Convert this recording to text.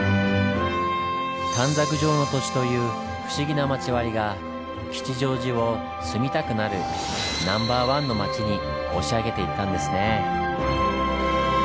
短冊状の土地という不思議な町割が吉祥寺を「住みたくなるナンバーワンの街」に押し上げていったんですねぇ。